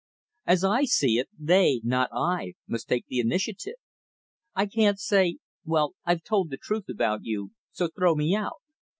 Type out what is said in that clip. As I see it, they, not I, must take the initiative. I can't say: 'Well, I've told the truth about you, so throw me out'."